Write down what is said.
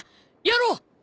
やろう！